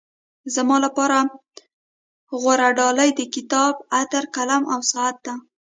زما لپاره غوره ډالۍ د کتاب، عطر، قلم او ساعت ده.